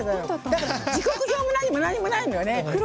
時刻表も何もないのよ。